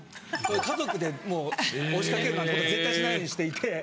家族で押しかけるなんてことは絶対しないようにしていて。